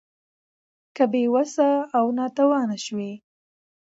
که بې وسه او ناتوانه شوې